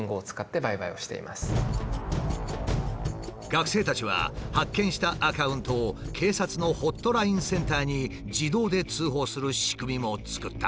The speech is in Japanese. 学生たちは発見したアカウントを警察のホットラインセンターに自動で通報する仕組みも作った。